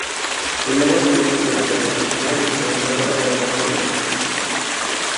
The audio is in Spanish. El lago está dentro del Parque Nacional y Reserva Lago Puelo.